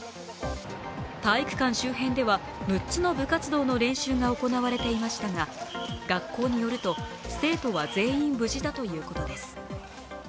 体育館周辺では６つの部活動の練習が行われていましたが学校によると生徒は全員、無事だということです。